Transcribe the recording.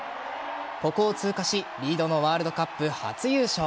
ここを通過しリードのワールドカップ初優勝。